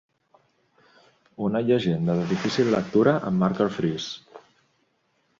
Una llegenda de difícil lectura emmarca el fris.